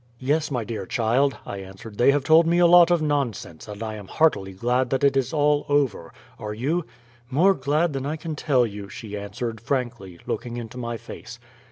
"Yes, my dear child," I answered, "they have told me a lot of nonsense, and I am heartily glad that it is all over. Are you?" "More glad than I can tell you," she answered, frankly, looking into my face.